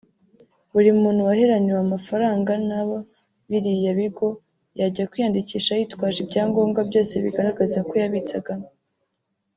Buri muntu waheraniwe amafaranga nab biriya bigo yajya kwiyandikisha yitwaje ibyangombwa byose bigaragaza ko yabitsagamo